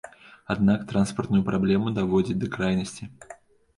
Аднак транспартную праблему даводзяць да крайнасці.